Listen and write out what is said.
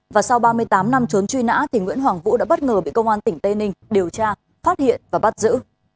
và sau ba mươi tám năm trốn truy nã nguyễn hoàng vũ đã bất ngờ bị công an tỉnh tây ninh điều tra phát hiện và bắt giữ